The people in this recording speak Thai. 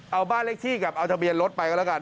เอาบ้านเลขที่กับเอาทะเบียนรถไปก็แล้วกัน